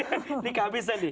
ini kehabisan nih